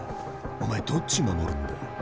お前どっち守るんだ？